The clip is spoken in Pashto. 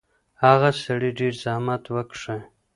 هغه سړي ډېر زحمت وکښی.